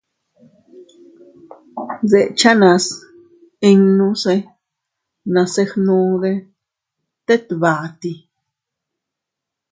Dechanas innuse nase gnude tet bati.